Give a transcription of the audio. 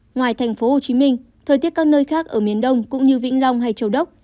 ngoài thành phố hồ chí minh thời tiết các nơi khác ở miền đông cũng như vĩnh long hay châu đốc